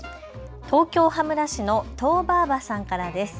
東京羽村市のとーばあばさんからです。